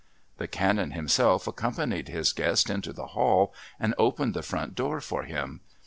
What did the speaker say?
The Canon himself accompanied his guest into the hall and opened the front door for him.